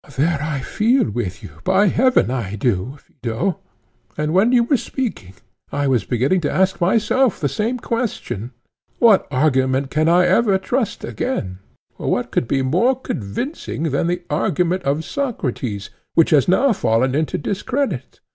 ECHECRATES: There I feel with you—by heaven I do, Phaedo, and when you were speaking, I was beginning to ask myself the same question: What argument can I ever trust again? For what could be more convincing than the argument of Socrates, which has now fallen into discredit?